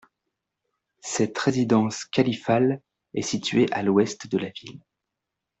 Cette résidence Califale est située à l'Ouest de la ville.